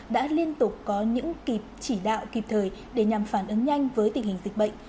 đã liên tục có những kịp chỉ đạo kịp thời để nhằm phản ứng nhanh với tình hình dịch bệnh